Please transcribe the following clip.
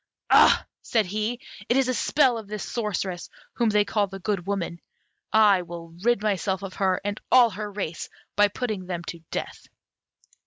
"Ah!" said he, "it is a spell of this sorceress, whom they call the Good Woman. I will rid myself of her and all her race by putting them to death!"